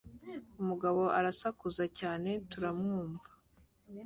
Umugabo arasakuza cyane turamwumva